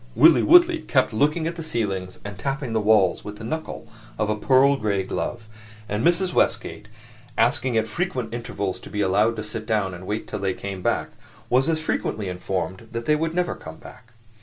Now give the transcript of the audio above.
Willie Woodley kept looking at the ceilings and tapping the walls with the knuckle of a pearl gray glove; and Mrs. Westgate, asking at frequent intervals to be allowed to sit down and wait till they came back, was as frequently informed that they would never come back.